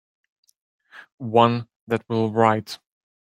One that will write.